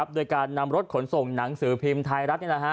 โดยการนำรถขนส่งหนังสือพิมพ์ไทยรัฐ